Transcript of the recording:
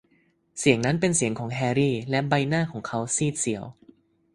เสียงนั้นเป็นเสียงของแฮรี่ และใบหน้าของเขาซีดเซียว